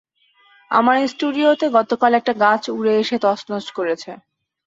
আমার স্টুডিওতে গতকাল একটা গাছ উড়ে এসে তছনছ করেছে!